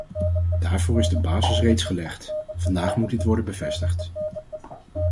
Daarvoor is de basis reeds gelegd; vandaag moet dit worden bevestigd.